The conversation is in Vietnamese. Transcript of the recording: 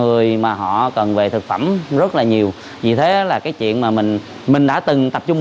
bởi vì em phải có hình ảnh video nội dung